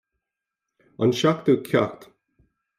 An seachtú ceacht